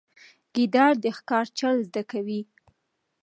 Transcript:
ګیدړ د ښکار چل زده کوي.